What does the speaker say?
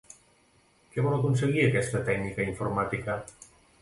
Què vol aconseguir aquesta tècnica informàtica?